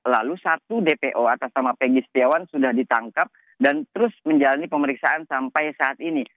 lalu satu dpo atas nama pegi setiawan sudah ditangkap dan terus menjalani pemeriksaan sampai saat ini